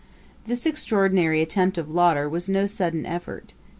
] This extraordinary attempt of Lauder was no sudden effort.